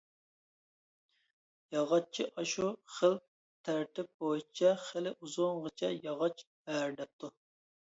ياغاچچى ئاشۇ خىل تەرتىپ بويىچە خېلى ئۇزۇنغىچە ياغاچ ھەرىدەپتۇ.